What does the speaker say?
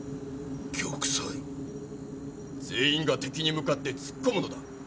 全員が敵に向かって突っ込むのだ。